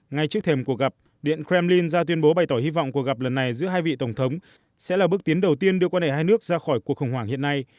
ngay trước thềm cuộc gặp điện kremlin ra tuyên bố bày tỏ hy vọng cuộc gặp lần này giữa hai vị tổng thống sẽ là bước tiến đầu tiên đưa quan hệ hai nước ra khỏi cuộc khủng hoảng hiện nay